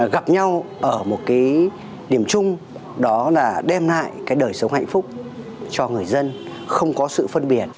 gặp nhau ở một cái điểm chung đó là đem lại cái đời sống hạnh phúc cho người dân không có sự phân biệt